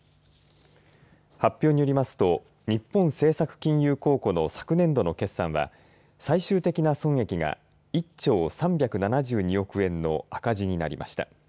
発表によりますと日本政策金融公庫の昨年度の決算は最終的な損益が１兆３７２億円の赤字になりました。